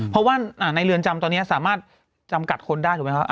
เพราะว่าในเรือนจำตอนนี้สามารถจำกัดคนได้ถูกไหมครับ